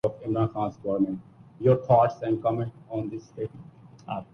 بے مثال حسن کو دیکھ کر آنے والے قدرت کی صناعی کی داد دئے بغیر نہیں رہ پاتے ۔